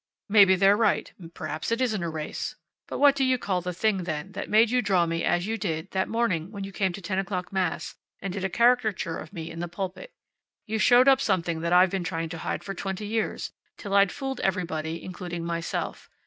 "Maybe they're right. Perhaps it isn't a race. But what do you call the thing, then, that made you draw me as you did that morning when you came to ten o'clock mass and did a caricature of me in the pulpit. You showed up something that I've been trying to hide for twenty years, till I'd fooled everybody, including myself.